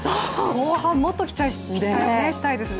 後半もっと期待したいですね。